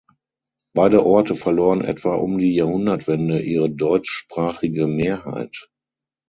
Beide Orte verloren etwa um die Jahrhundertwende ihre deutschsprachige Mehrheit.